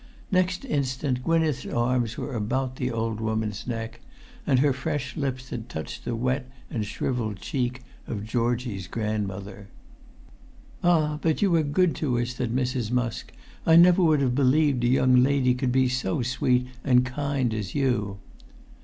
Next instant Gwynneth's arms were about the old woman's neck, and her fresh lips had touched the wet and shrivelled cheek of Georgie's grandmother. [Pg 258]"Ah! but you are good to us," said Mrs. Musk. "I never would have believed a young lady could be so sweet and kind as you!"